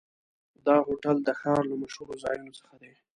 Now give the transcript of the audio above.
دا هوټل د ښار له مشهورو ځایونو څخه دی.